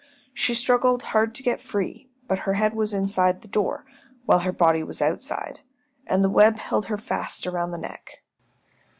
She struggled hard to get free, but her head was inside the door while her body was outside, and the web held her fast around the neck.